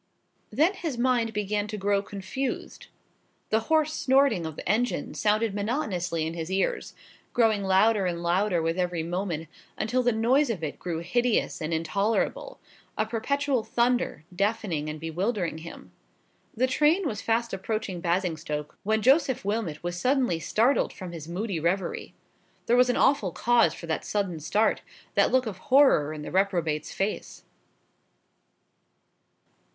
Then his mind began to grow confused. The hoarse snorting of the engine sounded monotonously in his ears: growing louder and louder with every moment; until the noise of it grew hideous and intolerable—a perpetual thunder, deafening and bewildering him. The train was fast approaching Basingstoke, when Joseph Wilmot was suddenly startled from his moody reverie. There was an awful cause for that sudden start, that look of horror in the reprobate's face.